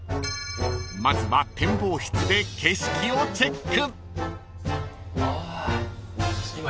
［まずは展望室で景色をチェック］